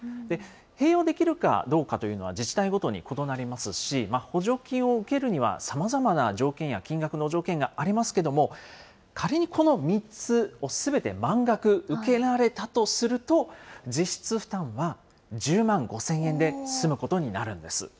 併用できるかどうかというのは、自治体ごとに異なりますし、補助金を受けるにはさまざまな条件や、金額の条件がありますけれども、仮にこの３つをすべて満額受けられたとすると、実質負担は１０万５０００円で済むことになるんです。